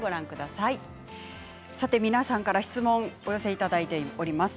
さて、皆さんから質問もお寄せいただいております。